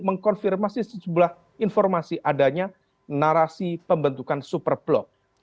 mengkonfirmasi sejumlah informasi adanya narasi pembentukan superblok